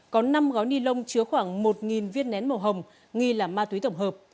có năm gói ni lông chứa khoảng một viên nén màu hồng nghi là ma túy tổng hợp